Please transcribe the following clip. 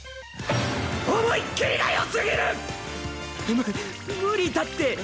む無理だって！